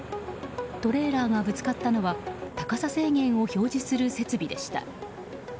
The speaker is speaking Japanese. トレーラーがぶつかったのは高さ制限を表示する設備でした。